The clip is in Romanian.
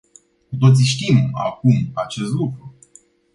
Cu toții știm acum acest lucru.